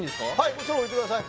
もちろん置いてください